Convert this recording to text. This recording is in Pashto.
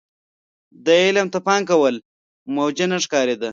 دې علم ته پام کول موجه نه ښکارېده.